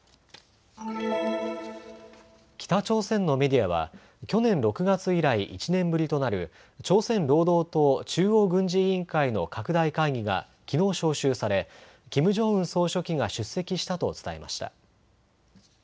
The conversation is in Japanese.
北朝鮮のメディアは去年６月以来１年ぶりとなる朝鮮労働党中央軍事委員会の拡大会議がきのう招集されキム・ジョンウン総書記が出席したと伝えました。